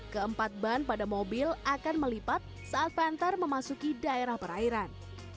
keempat ban pada mobil akan melipat saat panther memasuki daerah perairan